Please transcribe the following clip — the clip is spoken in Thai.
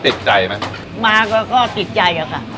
ติดใจมั้ยมาก็อะก็ติดใจอะค่ะ